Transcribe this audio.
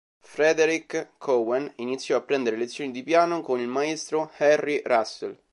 Frederic Cowen iniziò a prendere lezioni di piano con il maestro Henry Russell.